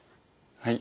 はい。